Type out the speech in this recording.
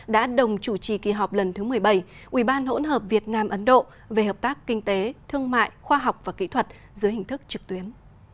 đã đồng chủ trì kỳ họp lần thứ một mươi bảy ubnd về hợp tác kinh tế thương mại khoa học và kỹ thuật dưới hình thức trực tuyến